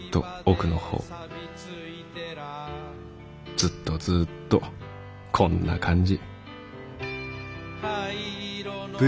「ずっとずっとこんな感じ」。